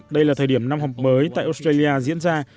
đây là thời điểm năm học mới tại australia diễn ra